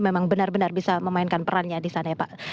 memang benar benar bisa memainkan perannya di sana ya pak